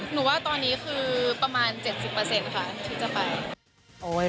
หนูว่าตอนนี้คือประมาณ๗๐ค่ะที่จะไป